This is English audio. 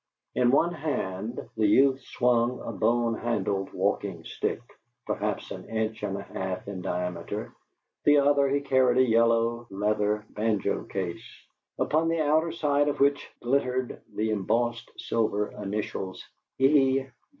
In one hand the youth swung a bone handled walking stick, perhaps an inch and a half in diameter, the other carried a yellow leather banjo case, upon the outer side of which glittered the embossed silver initials, "E.